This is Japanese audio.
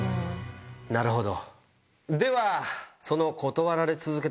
なるほど。